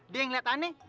dia ngeliat aneh